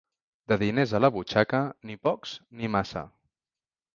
De diners a la butxaca, ni pocs ni massa.